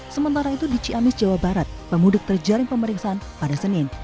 sementara itu di ciamis jawa barat pemudik terjaring pemeriksaan pada senin